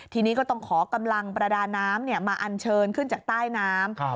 ทีนี้ก็ต้องขอกำลังประดาน้ำมาอันเชิญขึ้นจากใต้น้ำ